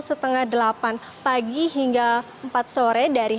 setengah delapan pagi hingga empat sore dari